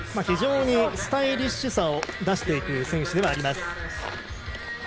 非常にスタイリッシュさを出していく選手です。